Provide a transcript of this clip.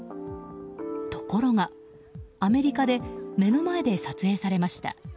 ところがアメリカで目の前で撮影されました。